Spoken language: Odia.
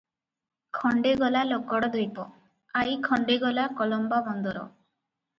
ଖଣ୍ଡେ ଗଲା ଲକଡ଼ ଦ୍ୱୀପ, ଆଇ ଖଣ୍ଡେ ଗଲା କଲମ୍ବା ବନ୍ଦର ।